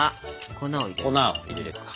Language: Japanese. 粉を入れてくか。